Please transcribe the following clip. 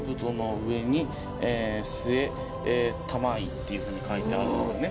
っていうふうに書いてあるのね。